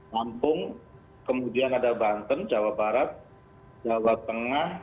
lampung kemudian ada banten jawa barat jawa tengah